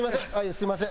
すみません。